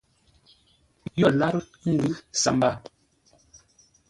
Yo lárə́ ə́ ngʉ̌ sambaa.